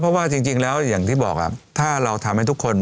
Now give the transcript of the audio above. เพราะว่าจริงแล้วอย่างที่บอกถ้าเราทำให้ทุกคน